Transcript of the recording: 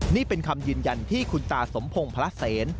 นี่เป็นคำยืนยันที่คุณตาสมพงศ์พระเสน